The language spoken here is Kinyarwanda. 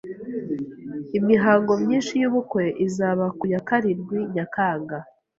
Imihango myinshi yubukwe izaba ku ya karindwi Nyakanga.